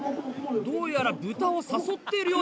どうやら豚を誘っているようです。